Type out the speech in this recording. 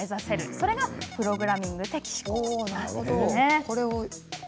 それがプログラミング的思考なんです。